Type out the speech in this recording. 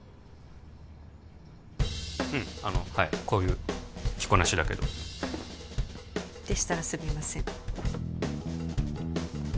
うんあのはいこういう着こなしだけどでしたらすみません